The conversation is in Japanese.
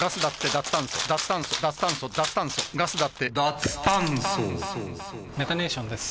脱炭素脱炭素脱炭素脱炭素ガスだってダ・ツ・タ・ン・ソメタネーションです。